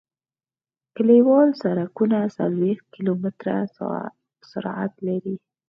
کلیوال سرکونه څلویښت کیلومتره سرعت لري